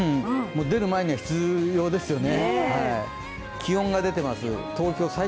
出る前には必要ですよね。